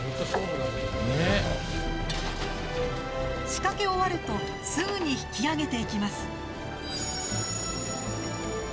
仕掛け終わるとすぐに引き揚げていきます。